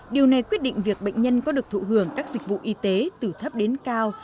điều này quyết định việc bệnh nhân có được thụ hưởng các dịch vụ y tế từ thấp đến cao